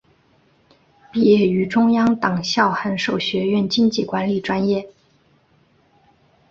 毕业于中央党校函授学院经济管理专业。